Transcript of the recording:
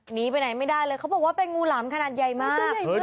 หนีไปไหนไม่ได้เลยเขาบอกว่าเป็นงูหลามขนาดใหญ่มาก